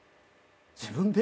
自分で？